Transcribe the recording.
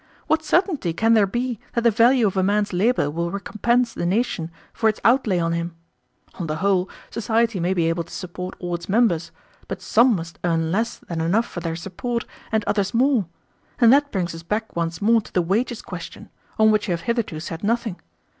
"What certainty can there be that the value of a man's labor will recompense the nation for its outlay on him? On the whole, society may be able to support all its members, but some must earn less than enough for their support, and others more; and that brings us back once more to the wages question, on which you have hitherto said nothing.